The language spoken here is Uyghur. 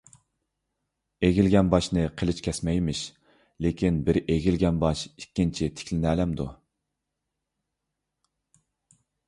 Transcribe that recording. ئېگىلگەن باشنى قىلىچ كەسمەيمىش. لېكىن، بىر ئېگىلگەن باش ئىككىنچى تىكلىنەلەمدۇ؟